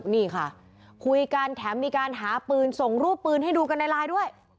นี่ค่ะคุยกันแถมมีการหาปืนส่งรูปปืนให้ดูกันในไลน์ด้วย